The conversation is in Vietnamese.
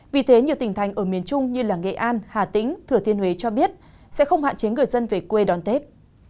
vì thế nhiều tỉnh thành ở miền trung như nghệ an hà tĩnh thừa thiên huế cho biết sẽ không hạn chế người dân về quê đón tết